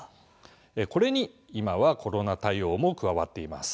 これに今はコロナ対応も加わっています。